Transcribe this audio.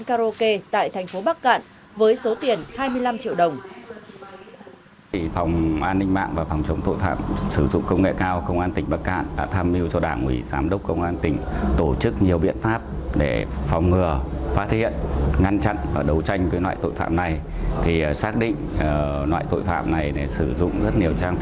cháu đã đi quán karaoke tại thành phố bắc cạn với số tiền hai mươi năm triệu đồng